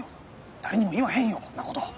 誰にも言わへんよこんなこと。